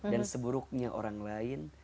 dan seburuknya orang lain